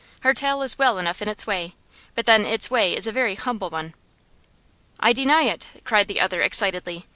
Her tale is well enough in its way, but then its way is a very humble one.' 'I deny it!' cried the other, excitedly.